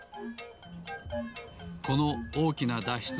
このおおきなだっしゅつ